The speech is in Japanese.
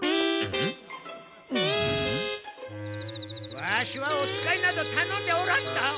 ワシはお使いなどたのんでおらんぞ。